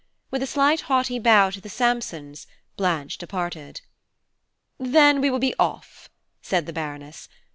With a slight haughty bow to the Sampsons, Blanche departed. "Then we will be off," said the Baroness.